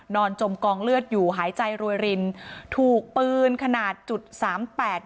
จมกองเลือดอยู่หายใจรวยรินถูกปืนขนาดจุดสามแปด